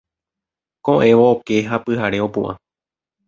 Koʼẽvo oke ha pyhare opuʼã.